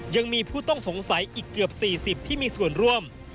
ยังมีผู้ต้องสงสัยอีกเกือบ๔๐ที่มีส่วนร่วม